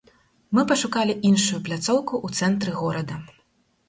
Мы пашукалі іншую пляцоўку ў цэнтры горада.